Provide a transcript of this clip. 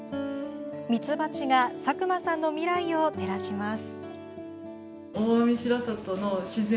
ミツバチが佐久間さんの未来を照らします。